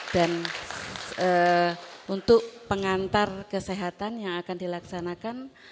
dan untuk pengantar kesehatan yang akan dilaksanakan